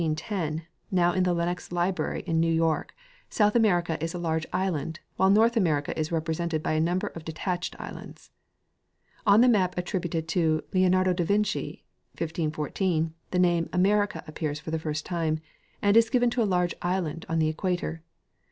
On the Lenox globe, so called, made about the j^ear 1510, now in the Lenox library in New York, South America is a large island, while North America is represented by a number of detached islands. On the map attributed to Leonardo da Vinci, 1514, the name "America " appears for the first time, and is given to a large island on the equator.